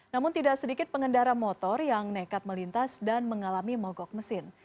namun tidak sedikit pengendara motor yang nekat melintas dan mengalami mogok mesin